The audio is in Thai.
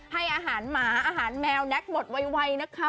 ให้อาหารหมาอาหารแมวแน็กหมดไวนะคะ